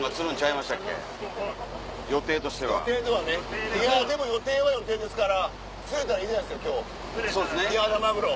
いやでも予定は予定ですから釣れたらいいじゃないですか今日キハダマグロ。